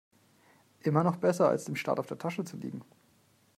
Immer noch besser, als dem Staat auf der Tasche zu liegen.